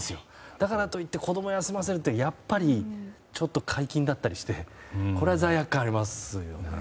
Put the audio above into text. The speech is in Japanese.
だからといって子供を休ませるってちょっと皆勤だったりしてこれは罪悪感があります。